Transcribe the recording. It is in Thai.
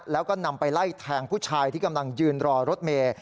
แล้วก็นำไปไล่แทงผู้ชายที่กำลังยืนรอรถเมย์